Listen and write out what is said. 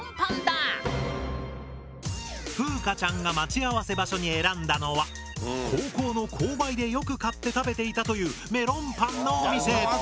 風佳ちゃんが待ち合わせ場所に選んだのは高校の購買でよく買って食べていたというメロンパンのお店！